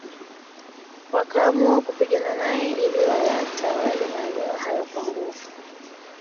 Wakaamua kupigana nae ili wayatawale maeneo hayo kwa nguvu